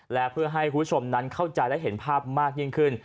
และเพื่อให้คุณผู้ชมนั้นเข้าใจและเห็นภาพมากยิ่งขึ้น